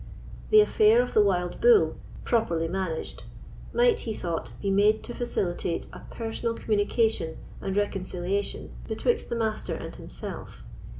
The affair of the wild bull, properly managed, might, he thought, be made to facilitate a personal communication and reconciliation betwixt the Master and himself.